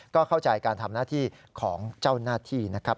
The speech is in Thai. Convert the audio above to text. ก็เข้าใจการทำหน้าที่ของเจ้าหน้าที่นะครับ